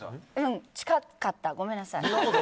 近かった、ごめんなさい。